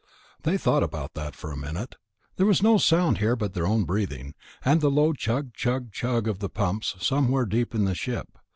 They thought about that for a minute. There was no sound here but their own breathing, and the low chug chug chug of the pumps somewhere deep in the ship.